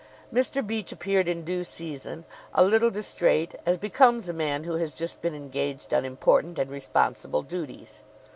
Mr. Beach appeared in due season, a little distrait, as becomes a man who has just been engaged on important and responsible duties.